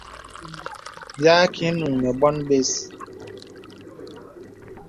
Bìa àkə īnuŋ nə bòn bə̀s.